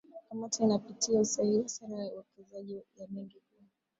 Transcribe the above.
kamati inapitia usahihi wa sera ya uwekezaji ya benki kuu